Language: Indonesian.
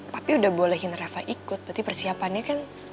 papi udah bolehin reva ikut berarti persiapannya kan